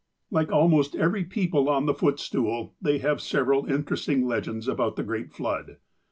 Like almost every people on the footstool, they have several interesting legends about the great flood.